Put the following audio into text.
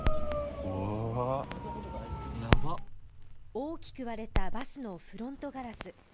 大きく割れたバスのフロントガラス。